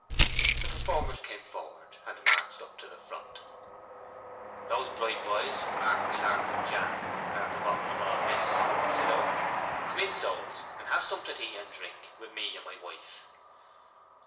The performers came forward, and marched up to the front. "Those bright boys, Mark Clark and Jan, are at the bottom of all this," said Oak. "Come in, souls, and have something to eat and drink wi' me and my wife."